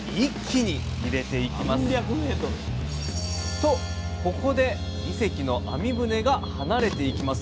とここで２隻の網船が離れていきます。